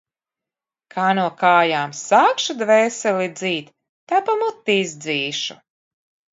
Kā no kājām sākšu dvēseli dzīt, tā pa muti izdzīšu.